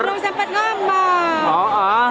aku belum sempat ngomong